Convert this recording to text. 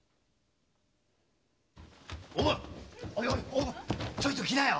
おぶんちょっと来なよ！